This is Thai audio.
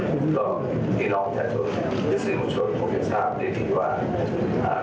ถึงออกแผนหนุ่มก็ซึ้มประสบกศาสตร์ได้ดีดีกว่า